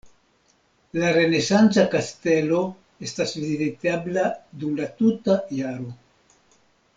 La renesanca kastelo estas vizitebla dum la tuta jaro.